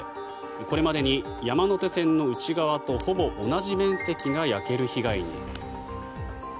これまでに山手線の内側とほぼ同じ面積が焼ける被害に。